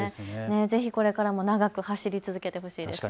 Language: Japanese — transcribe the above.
ぜひこれからも長く走り続けてほしいです。